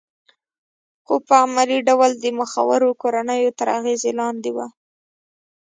خو په عملي ډول د مخورو کورنیو تر اغېز لاندې وه